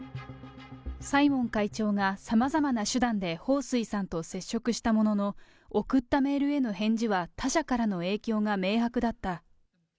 サイモン会長がさまざまな手段で彭帥さんと接触したものの、送ったメールへの返事は他者からの影響が明白だった。